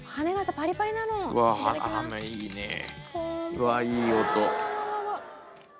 うわいい音。